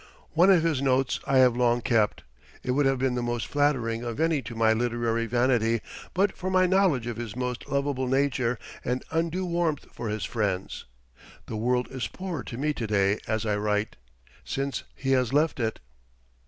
One of his notes I have long kept. It would have been the most flattering of any to my literary vanity but for my knowledge of his most lovable nature and undue warmth for his friends. The world is poorer to me to day as I write, since he has left it.